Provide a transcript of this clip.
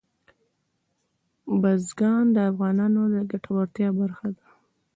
بزګان د افغانانو د ګټورتیا برخه ده.